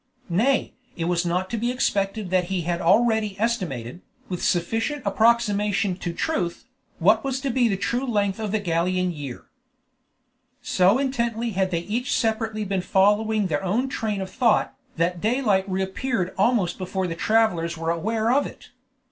Nay, was it not to be expected that he had already estimated, with sufficient approximation to truth, what was to be the true length of the Gallian year? So intently had they each separately been following their own train of thought, that daylight reappeared almost before the travelers were aware of it.